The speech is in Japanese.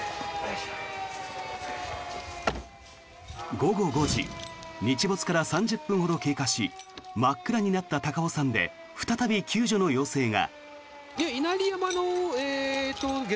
午後５時日没から３０分ほど経過し真っ暗になった高尾山で再び救助の要請が。